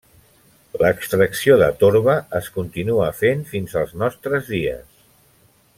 L'extracció de torba es continua fent fins als nostres dies.